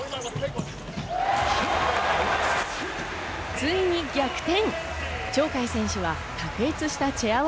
ついに逆転。